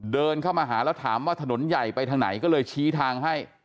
เดินเข้ามาหาแล้วถามว่าถนนใหญ่ไปทางไหนก็เลยชี้ทางให้